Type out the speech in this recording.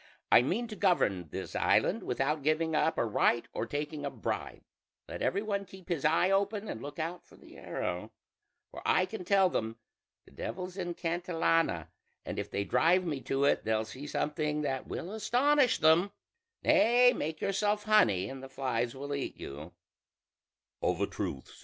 I mean to govern this island without giving up a right or taking a bribe: let every one keep his eye open and look out for the arrow; for I can tell them 'the Devil's in Cantillana,' and if they drive me to it they'll see something that will astonish them. Nay! make yourself honey and the flies will eat you."